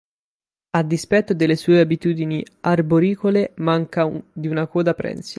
A dispetto delle sue abitudini arboricole manca di una coda prensile.